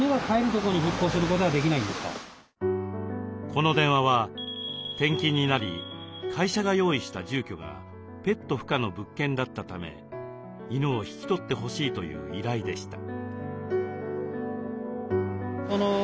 この電話は転勤になり会社が用意した住居がペット不可の物件だったため犬を引き取ってほしいという依頼でした。